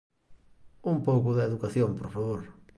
Un pouco de educación, por favor.